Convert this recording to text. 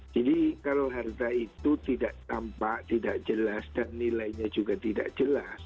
kalau harta itu tidak tampak tidak jelas dan nilainya juga tidak jelas